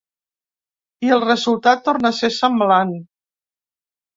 I el resultat torna a ser semblant.